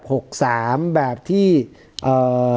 เหมือนแบบที่เอ่อ